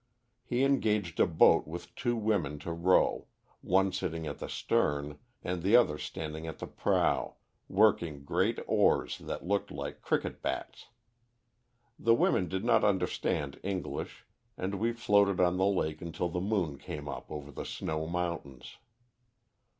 He engaged a boat with two women to row, one sitting at the stern, and the other standing at the prow, working great oars that looked like cricket bats. The women did not understand English, and we floated on the lake until the moon came up over the snow mountains.